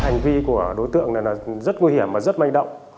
hành vi của đối tượng rất nguy hiểm và rất manh động